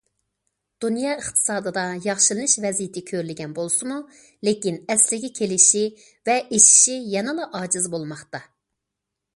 دۇنيا ئىقتىسادىدا ياخشىلىنىش ۋەزىيىتى كۆرۈلگەن بولسىمۇ، لېكىن ئەسلىگە كېلىشى ۋە ئېشىشى يەنىلا ئاجىز بولماقتا.